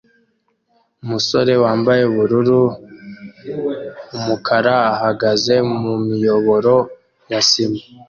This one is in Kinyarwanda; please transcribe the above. Umusore wambaye ubururu & umukara ahagaze mumiyoboro ya sima